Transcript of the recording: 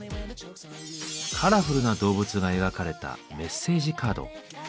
カラフルな動物が描かれたメッセージカード。